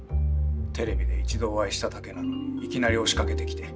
テレビで一度お会いしただけなのにいきなり押しかけてきて。